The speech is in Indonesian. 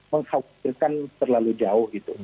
mengkhawatirkan terlalu jauh